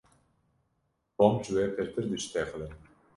Tom ji we pirtir dişitexile.